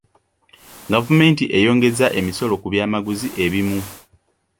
Gavumenti eyongezza emisolo ku byamaguzi ebimu.